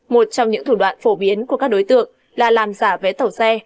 một trong những thủ đoạn phổ biến của các đối tượng là làm giả vé tàu xe